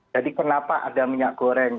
jadi kenapa ada minyak goreng